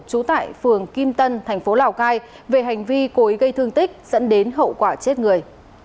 chú tại phường kim tân thành phố lào cai về hành vi cối gây thương tích dẫn đến hậu quả chết người